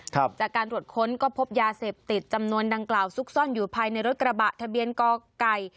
จากการตรวจค้นก็พบยาเสพติดจำนวนดังกล่าวซุกซ่อนอยู่ภายในรถกระบะทะเบียนกไก่